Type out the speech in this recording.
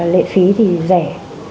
lệ phí thì rẻ